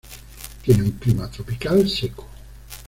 Tiene un clima tropical seco.